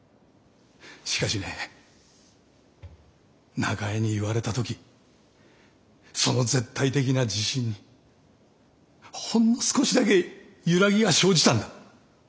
しかしね中江に言われた時その絶対的な自信にほんの少しだけ揺らぎが生じたんだ。